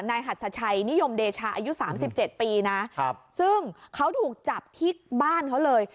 หัสชัยนิยมเดชาอายุสามสิบเจ็ดปีนะครับซึ่งเขาถูกจับที่บ้านเขาเลย